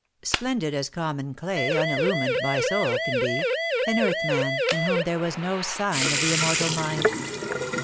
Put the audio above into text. Splendid as common clay unillumined by soul can be — an earth man, in whom there was no sign of the immortal mind.